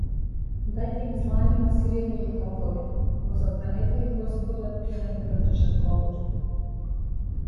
Дајте им сланина, сирење и ловори, но забранете им, господа, пијани да држат говори!